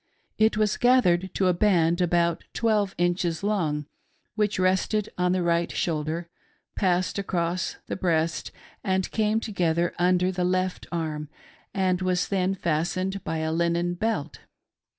It was gathered to a band about twelve inches long, which rested on the right shoulder, passed across the breast, and came together under the left arm, and was then fastened by a linen belt.